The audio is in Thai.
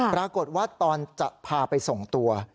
ปรากฏว่าตอนจะพาไปส่งตัว